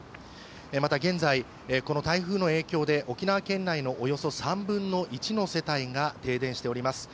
また、現在この台風の影響で沖縄県内のおよそ３分の１の世帯が停電しております。